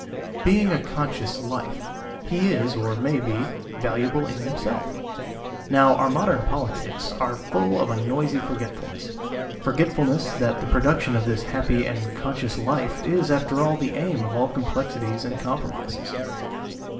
Being a conscious life, he is, or may be, valuable in himself. Now our modern politics are full of a noisy forgetfulness; forgetfulness that the production of this happy and conscious life is after all the aim of all complexities and compromises.